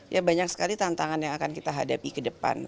ya banyak sekali tantangan yang akan kita hadapi ke depan